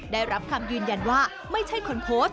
ได้รับคำยืนยันว่าไม่ใช่คนโพสต์